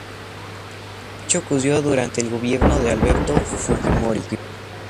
El hecho ocurrió durante el gobierno de Alberto Fujimori.